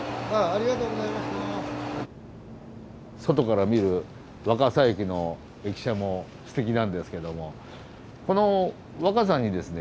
外から見る若桜駅の駅舎もすてきなんですけどもこの若桜にですね